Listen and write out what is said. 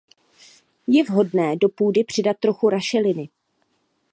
Je vhodné do půdy přidat trochu rašeliny.